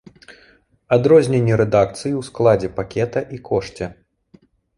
Адрозненні рэдакцый ў складзе пакета і кошце.